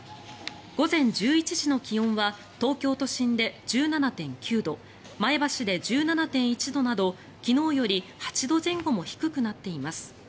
午前１１時の気温は東京都心で１７．９度前橋で１７．１度など昨日より８度前後も低くなっています。